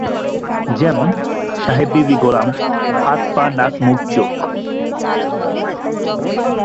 যেমন: সাহেব-বিবি-গোলাম, হাত-পা-নাক-মুখ-চোখ।